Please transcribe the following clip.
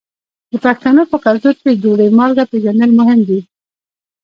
د پښتنو په کلتور کې د ډوډۍ مالګه پیژندل مهم دي.